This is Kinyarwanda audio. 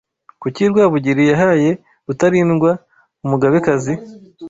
kuki Rwabugili yahaye Rutalindwa umugabekazi,